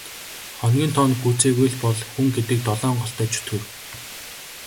Хоногийн тоо нь гүйцээгүй л бол хүн гэдэг долоон голтой чөтгөр.